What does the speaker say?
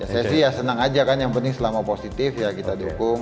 saya sih ya senang aja kan yang penting selama positif ya kita dihukum